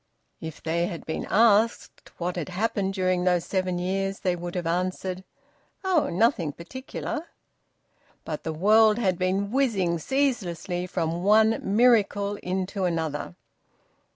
If they had been asked what had happened during those seven years, they would have answered: "Oh, nothing particular!" But the world had been whizzing ceaselessly from one miracle into another.